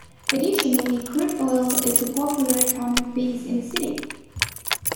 Additionally, crude oil is a popular economic base in the city.